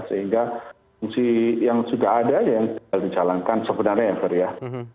sehingga fungsi yang sudah ada yang sudah dijalankan sebenarnya ya